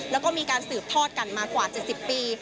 แล้วก็มีการสืบทอดกันมากว่า๗๐ปี